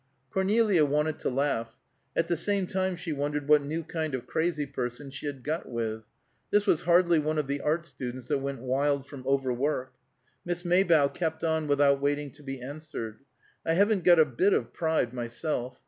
Cornelia wanted to laugh; at the same time she wondered what new kind of crazy person she had got with; this was hardly one of the art students that went wild from overwork. Miss Maybough kept on without waiting to be answered: "I haven't got a bit of pride, myself.